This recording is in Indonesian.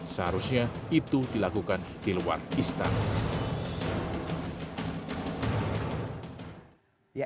seharusnya itu dilakukan di luar istana